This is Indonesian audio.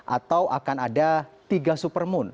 atau akan ada tiga supermoon